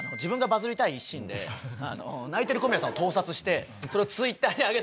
で泣いてる小宮さんを盗撮してそれをＴｗｉｔｔｅｒに上げて。